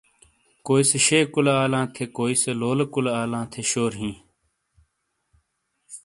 ۔کوئ سے شے کُولے آلاں تھی ،کوسے ٹے لولے کولے آلاں تھے شور ہیں۔